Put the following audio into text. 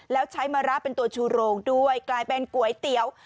แล้วใช้มะระเป็นตัวชูโรงด้วยกลายเป็นก๋วยเตี๋ยว